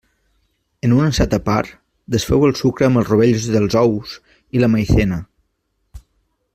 En un ansat a part, desfeu el sucre amb els rovells dels ous i la Maizena.